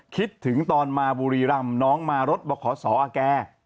คิดถึงตอนมาบุรีรำน้องมารถบขสอแก